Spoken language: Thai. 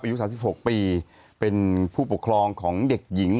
อายุสองสิบหกปีเป็นผู้ปกครองของเด็กหญิง